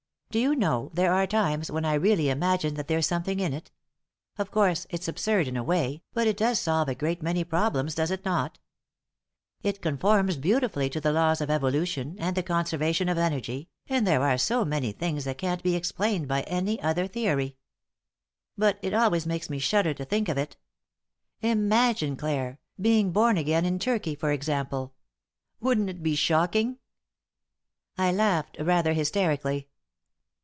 "Do you know, there are times when I really imagine that there's something in it! Of course, it's absurd in a way, but it does solve a great many problems, does it not? It conforms beautifully to the laws of evolution and the conservation of energy, and there are so many things that can't be explained by any other theory! But it always makes me shudder to think of it. Imagine, Clare, being born again in Turkey, for example. Wouldn't it be shocking?" I laughed, rather hysterically.